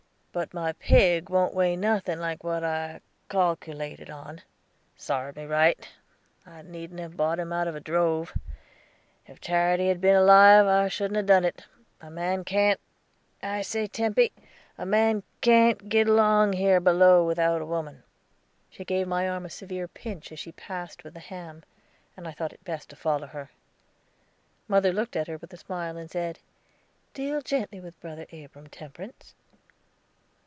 But my pig wont weigh nothin' like what I calkerlated on. Sarved me right. I needn't have bought him out of a drove; if Charity had been alive, I shouldn't ha' done it. A man can't I say, Tempy a man can't git along while here below, without a woman." She gave my arm a severe pinch as she passed with the ham, and I thought it best to follow her. Mother looked at her with a smile, and said: "Deal gently with Brother Abram, Temperance."